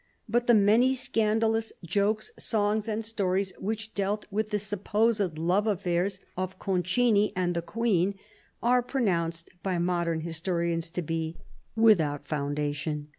But the many scandalous jokes, songs and stories which dealt with the supposed love affairs of Concini and the Queen are pro nounced by modern historians to be without foundation.